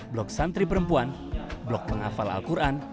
blok santri perempuan blok penghafal al quran